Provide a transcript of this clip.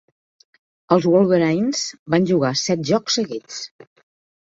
Els Wolverines van guanyar set jocs seguits.